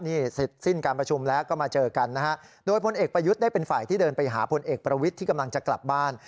นี่เสร็จสิ้นการประชุมแล้วก็มาเจอกันนะฮะโดยพลเอกประยุทธ์ได้เป็นฝ่ายที่เดินไปหาพลเอกประวิทย์ที่กำลังจะกลับบ้าน